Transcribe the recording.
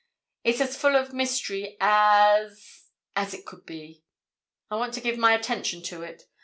"It's as full of mystery as—as it could be. I want to give my attention to it.